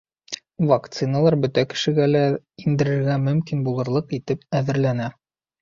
Вакциналар бөтә кешегә лә индерергә мөмкин булырлыҡ итеп әҙерләнә.